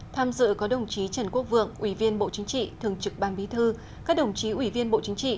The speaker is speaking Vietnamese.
tham dự có đồng chí trần quốc vượng ủy viên bộ chính trị thường trực ban bí thư các đồng chí ủy viên bộ chính trị